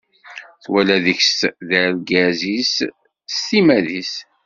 Twala deg-s d argaz-is s timmad-is.